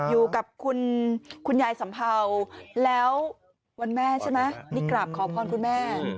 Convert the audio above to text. อยู่กับคุณยายสัมเภาแล้ววันแม่ใช่ไหมนี่กราบขอพรคุณแม่